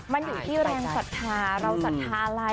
มันอยู่ที่แรงศรัทธาเราศรัทธาอะไร